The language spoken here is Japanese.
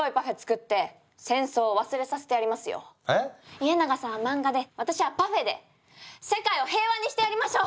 家長さんは漫画で私はパフェで世界を平和にしてやりましょう！